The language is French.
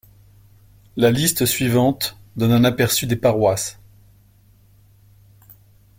La liste suivante donne un aperçu des paroisses.